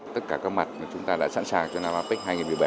tất cả các mặt chúng ta đã sẵn sàng cho năm apec hai nghìn một mươi bảy